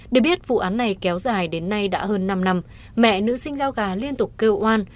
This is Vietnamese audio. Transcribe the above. để biết vụ án này kéo dài đến nay đã hơn năm năm mẹ nữ sinh giao gà liên tục kêu oan